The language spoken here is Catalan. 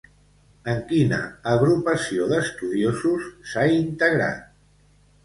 En quina agrupació d'estudiosos s'ha integrat?